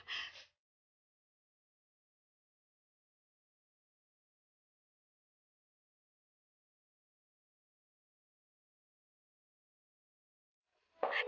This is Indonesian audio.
sampai ketemu di pengadilan